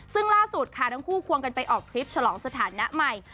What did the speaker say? ซึ่งล่าสุดค่ะทั้งคู่ควงกันไปออกทริปฉลองสถานะใหม่